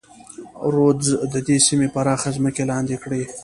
رودز د دې سیمې پراخه ځمکې لاندې کړې.